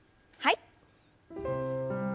はい。